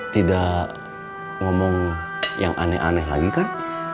tidak ngomong yang aneh aneh lagi kan